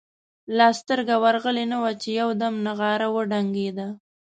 لا سترګه ورغلې نه وه چې یو دم نغاره وډنګېده.